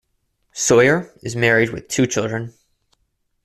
Soyer is married with two children.